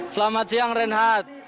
selamat siang renhat